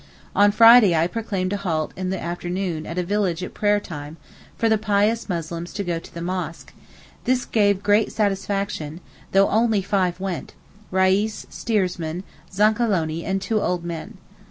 On Friday I proclaimed a halt in the afternoon at a village at prayer time for the pious Muslims to go to the mosque; this gave great satisfaction, though only five went, Reis, steersman, Zankalonee and two old men.